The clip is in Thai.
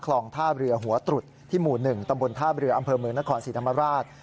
คลองท่าเรือหัวตรุดที่หมู่หนึ่งตำบลท่าเรืออำเภอเมืองนครสีนามราช